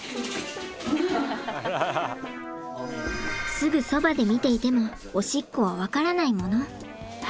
すぐそばで見ていてもおしっこは分からないもの。